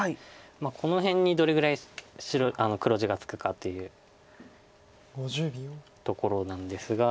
この辺にどれぐらい黒地がつくかというところなんですが。